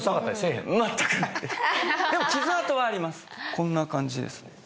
こんな感じですね。